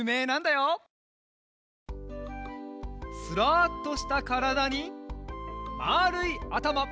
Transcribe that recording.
すらっとしたからだにまるいあたま。